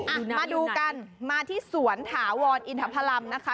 อ่ะมาดูกันมาที่สวนถาวรอินทพลัมนะคะ